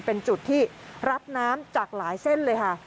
เป็นจุดที่รับน้ำจากหลายเส้นเลยค่ะ